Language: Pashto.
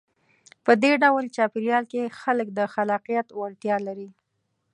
په دې ډول چاپېریال کې خلک د خلاقیت وړتیا لري.